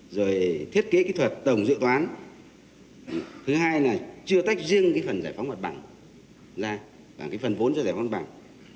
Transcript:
rồi thiết kế kỹ thuật tổng dự toán thứ hai là chưa tách riêng phần giải phóng hoạt bằng ra phần vốn cho giải phóng hoạt bằng